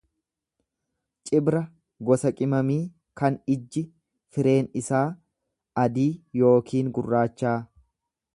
Cibra gosa qimamii kan ijji fireen isaa adii yookiin gurraachaa.